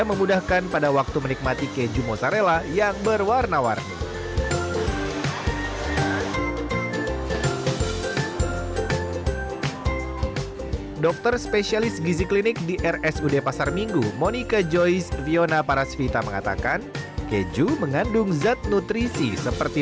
ketika dikonsumsi keju mozzarella saya sudah tidak sabar ingin mencicipi makanan yang diinginkan